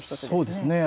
そうですね。